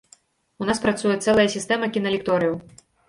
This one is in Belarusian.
У нас працуе цэлая сістэма кіналекторыяў.